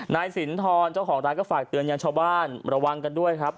นายสินทรเจ้าของร้านก็ฝากเตือนยังชาวบ้านระวังกันด้วยครับ